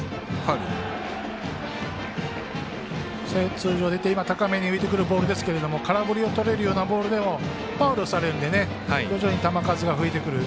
通常は高めに浮いてくるボールですが空振りをとれるようなボールでもファウルをされるので徐々に球数が増えてくる。